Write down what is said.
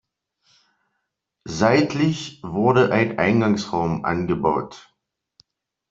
Seitlich wurde ein Eingangsraum angebaut.